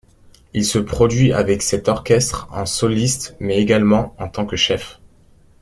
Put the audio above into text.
Il se produit avec cet orchestre en soliste mais également en tant que chef.